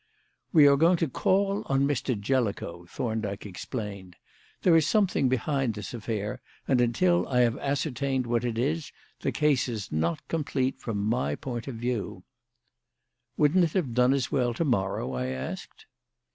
"We are going to call on Mr. Jellicoe," Thorndyke explained. "There is something behind this affair, and until I have ascertained what it is, the case is not complete from my point of view." "Wouldn't it have done as well to morrow?" I asked.